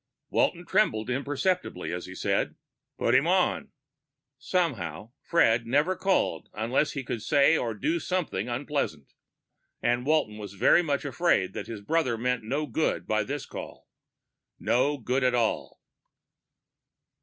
Walton trembled imperceptibly as he said, "Put him on." Somehow, Fred never called unless he could say or do something unpleasant. And Walton was very much afraid that his brother meant no good by this call. No good at all.